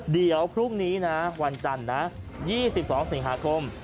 เดี๋ยวพรุ่งนี้นะวันจันทร์นะ๒๒สิงหาคม